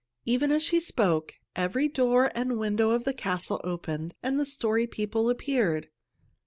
Even as she spoke, every door and window of the castle opened and the Story People appeared.